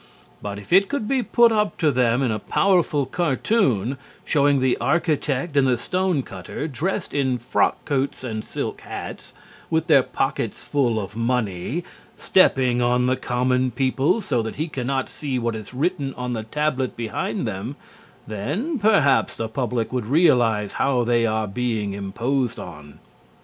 But if it could be put up to them in a powerful cartoon, showing the Architect and the Stone Cutter dressed in frock coats and silk hats, with their pockets full of money, stepping on the Common People so that he cannot see what is written on the tablet behind them, then perhaps the public would realize how they are being imposed on.